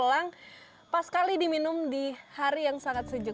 langsung sekali di minum hari yang sangat sejuk